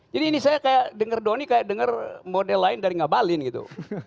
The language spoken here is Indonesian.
jadi ini saya dengar doni kayak dengar model lain dari ngabalin gitu